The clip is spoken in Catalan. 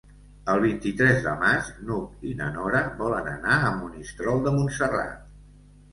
El vint-i-tres de maig n'Hug i na Nora volen anar a Monistrol de Montserrat.